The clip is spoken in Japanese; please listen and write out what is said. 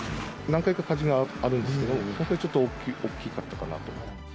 何回か火事があるんですけど、本当にちょっと、大きかったかなと。